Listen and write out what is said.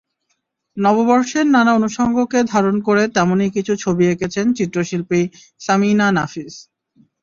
নববর্ষের নানা অনুষঙ্গকে ধারণ করে তেমনই কিছু ছবি এঁকেছেন চিত্রশিল্পী সামিনা নাফিজ।